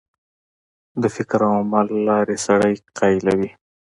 د فکر او عمل لار سړی قایلوي.